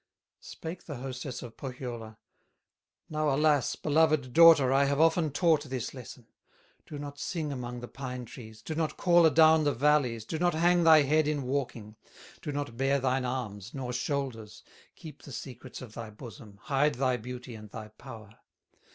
Spake the hostess of Pohyola: "Now alas! beloved daughter, I have often taught this lesson: 'Do not sing among the pine trees, Do not call adown the valleys, Do not hang thy head in walking, Do not bare thine arms, nor shoulders, Keep the secrets of thy bosom, Hide thy beauty and thy power.